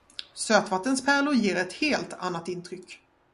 Sötvattenspärlor ger ett helt annat intryck.